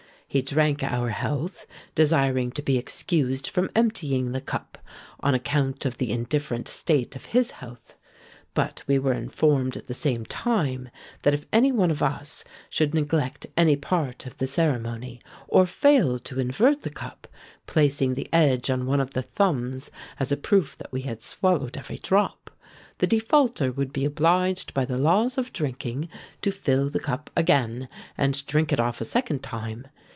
He drank our health, desiring to be excused from emptying the cup, on account of the indifferent state of his health; but we were informed at the same time that if any one of us should neglect any part of the ceremony, or fail to invert the cup, placing the edge on one of the thumbs as a proof that we had swallowed every drop, the defaulter would be obliged by the laws of drinking to fill the cup again, and drink it off a second time.